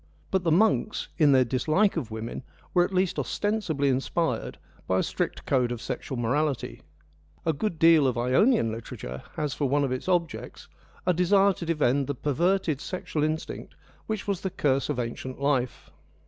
But the monks, in their dislike of women, were at least ostensibly inspired by a strict code of sexual morality : a good deal of Ionian literature has for one of its objects a desire to defend the perverted sexual instinct which was the curse of ancient life.